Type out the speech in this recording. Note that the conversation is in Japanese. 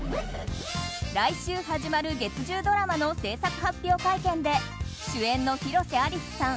来週始まる月１０ドラマの制作発表会見で主演の広瀬アリスさん